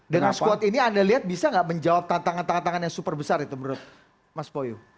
dengan squad ini anda lihat bisa nggak menjawab tantangan tantangan yang super besar itu menurut mas poyu